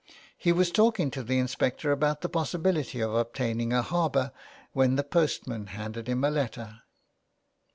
He was talking to the inspector about the possibility of obtaining a harbour when the post man handed him a letter.